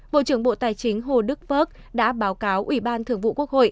bộ trưởng bộ tài chính hồ đức vớc đã báo cáo ubnd